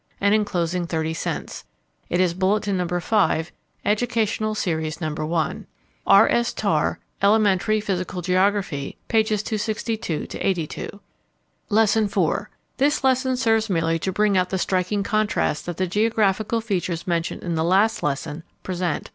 and enclosing thirty cents. It is Bulletin No. 5, Educational Series No. 1.] R. S. Tarr, Elementary Physical Geography, pp. 262 82. Lesson IV. This lesson serves merely to bring out the striking contrasts that the geographical features mentioned in the last lesson present.